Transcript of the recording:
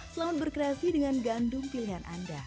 selamat berkreasi dengan gandum pilihan anda